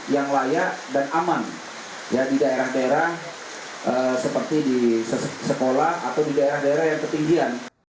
yang layak dan aman di daerah daerah seperti di sekolah atau di daerah daerah yang ketinggian